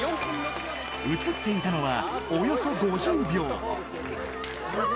映っていたのは、およそ５０秒。